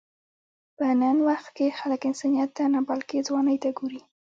په نن وخت کې خلک انسانیت ته نه، بلکې ځوانۍ ته ګوري.